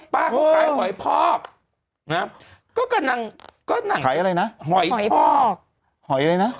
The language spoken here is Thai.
ป้าเขากลายหอยพอกนะก็กำลังกำลังไขอะไรนะหอยพอกหอยอะไรนะ